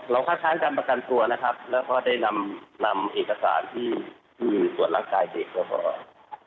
เราคาดค้างการประกันตัวนะครับแล้วก็ได้นำเอกสารที่ส่วนร่างกายเด็กก็พอ